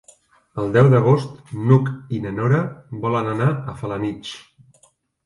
El deu d'agost n'Hug i na Nora volen anar a Felanitx.